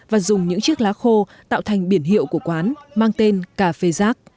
và dùng những chiếc lá khô tạo thành biển hiệu của quán mang tên cà phê rác